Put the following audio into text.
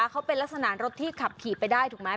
เขาเป็นลักษณะรถที่ขับขี่ไปได้ถูกไหม